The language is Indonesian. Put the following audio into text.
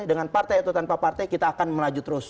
dengan partai atau tanpa partai kita akan melaju terus